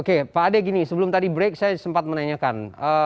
oke pak ade gini sebelum tadi break saya sempat menanyakan